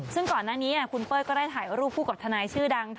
ซึ่งก่อนหน้านี้คุณเป้ยก็ได้ถ่ายรูปคู่กับทนายชื่อดัง